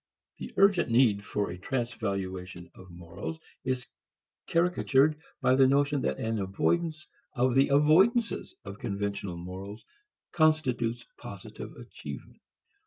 The urgent need for a transvaluation of morals is caricatured by the notion that an avoidance of the avoidances of conventional morals constitutes positive achievement.